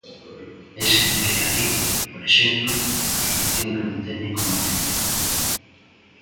É significativa, por exemplo, a relación que manteñen con América.